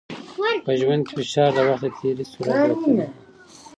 په ژوند کې فشار د وخت د تېري سرعت زیاتوي.